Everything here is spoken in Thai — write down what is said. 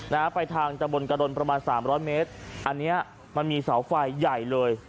นะฮะไปทางตะบนกระดนประมาณสามร้อยเมตรอันเนี้ยมันมีเสาไฟใหญ่เลย